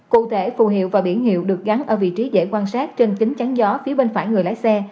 cụ thể phù hiệu và biển hiệu được gắn ở vị trí dễ quan sát trên kính trắng gió phía bên phải người lái xe